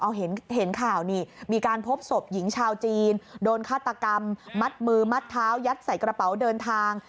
เอาเห็นข่าวนี่มีการพบศพหญิงชาวจีนโดนฆาตกรรมมัดมือมัดเท้ายัดใส่กระเป๋าเดินทาง